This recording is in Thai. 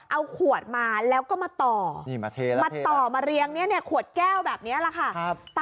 เอาขวดมาแล้วก็มาต่อ